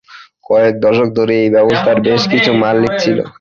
কয়েক দশক ধরে এই ব্যবস্থার বেশ কিছু মালিক ছিল।